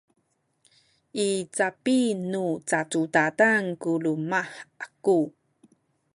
i capi nu cacudadan ku luma’ aku